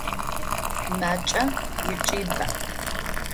Макӏэ ыкӏи бэ.